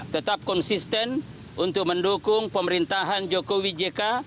tetap konsisten untuk mendukung pemerintahan jokowi jk